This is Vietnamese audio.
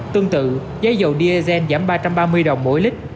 tương tự giá dầu diesel giảm ba trăm ba mươi đồng mỗi lít